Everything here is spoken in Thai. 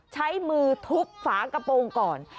ใช้มือทุบฝากระโปรงก่อน